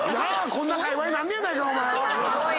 こんな会話になんねやないかお前は。